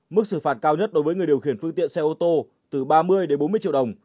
mức xử phạt cao nhất đối với người điều khiển phương tiện xe ô tô từ ba mươi đến bốn mươi triệu đồng